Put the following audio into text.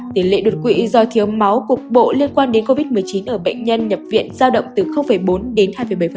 tỷ lệ đột quỵ do thiếu máu cục bộ liên quan đến covid một mươi chín ở bệnh nhân nhập viện giao động từ bốn đến hai bảy